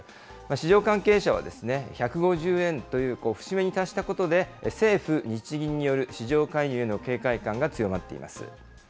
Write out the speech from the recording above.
市場関係者は、１５０円という節目に達したことで、政府・日銀による市場介入の警戒感が強まっています。